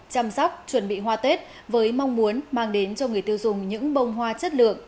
chăm sóc chuẩn bị hoa tết với mong muốn mang đến cho người tiêu dùng những bông hoa chất lượng